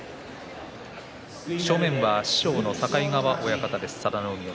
正面は師匠の境川親方です。